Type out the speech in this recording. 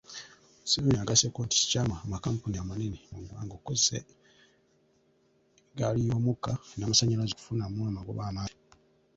Museveni agasseeko nti kikyamu amakampuni amanene mu ggwanga okukozesa eggaaliyoomukka n'amasannyalaze okufunamu amagoba amangi.